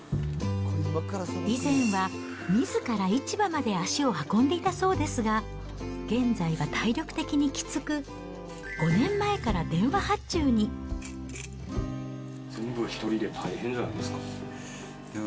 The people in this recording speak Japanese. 以前はみずから市場まで足を運んでいたそうですが、現在は体力的にきつく、全部お１人で大変じゃないですか？